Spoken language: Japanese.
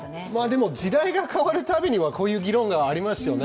時代が変わるたびにこういう議論はありますよね。